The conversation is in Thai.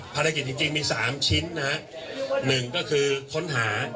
ภารกิจจริงมี๓ชิ้นนะฮะหนึ่งก็คือค้นหา